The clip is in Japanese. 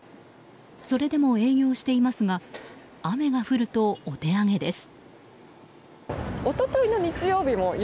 それでも営業していますが雨が降ると、お手上げです。